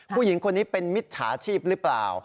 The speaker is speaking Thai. ผู้หญิงคนนี้เป็นมิจฉาชีพหรือเปล่า